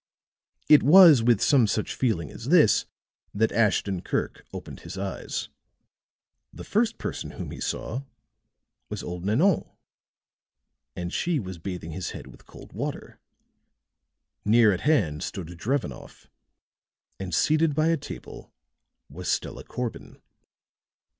It was with some such feeling as this that Ashton Kirk opened his eyes. The first person whom he saw was old Nanon, and she was bathing his head with cold water. Near at hand stood Drevenoff; and seated by a table was Stella Corbin.